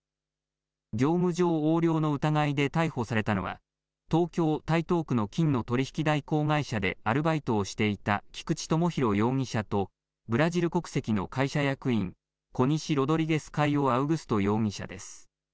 業務上横領の疑いで逮捕されたのは東京台東区の金の取引代行会社でアルバイトをしていた菊地友博容疑者とブラジル国籍の会社役員、コニシ・ロドリゲス・カイオ・アウグスト容疑者です。